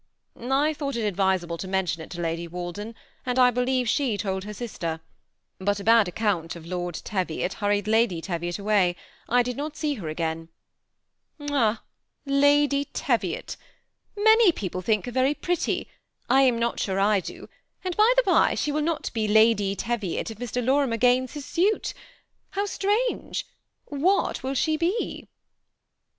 "^ I thought it advisable to mention it to Lady Wal den; and I believe she told her sister; but a bad account of Lord Teviot hurried Lady Teviot away. I did not see her again." '*Ah, Lady Teviot! Many people think her very pretty ; I am not sure I do, and, by the by, she will not be Lady Teviot if Mr. Lorimer gains his suit How strange ! What will she be